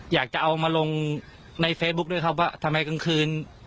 อยากจะเอามาลงในเฟซบุ๊คด้วยครับว่าทำไมกลางคืน